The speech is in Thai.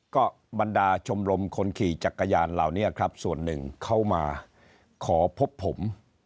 ก็บรรดาชมรมคนขี่จักรยานเหล่านี้ครับส่วนหนึ่งเข้ามาขอพบผม